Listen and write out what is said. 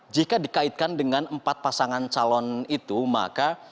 jika dikaitkan dengan empat pasangan calon itu maka